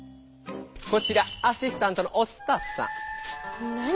こちらアシスタントのお伝さん。